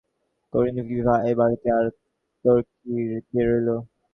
একদিন উদয়াদিত্য বিভাকে ডাকিয়া কহিলেন, বিভা, এ-বাড়িতে আর তোর কে রহিল?